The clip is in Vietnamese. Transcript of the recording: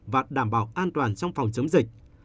và đảm bảo an toàn trong phòng chống dịch